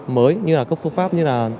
mới như là các phương pháp như là